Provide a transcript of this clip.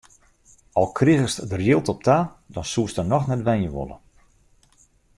Al krigest der jild op ta, dan soest der noch net wenje wolle.